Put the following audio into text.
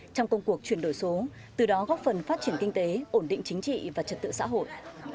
trong công cuộc chuyển đổi số từ đó góp phần phát triển kinh tế ổn định chính trị và trật tự xã hội